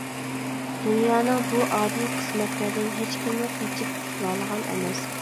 دۇنيانىڭ بۇ ئادىل قىسمەتلىرىدىن ھېچكىممۇ قېچىپ قۇتۇلالىغان ئەمەس.